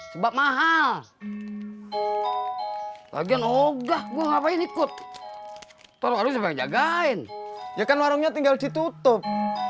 sebab mahal bagian ogah gue ngapain ikut tolong jagain ya kan warungnya tinggal ditutup